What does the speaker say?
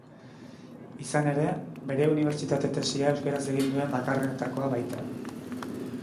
Izan ere, bere unibertsitate tesia euskaraz egin duen bakarrenetakoa baita.